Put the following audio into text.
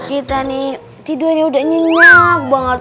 kita nih tidur ini udah nyinyak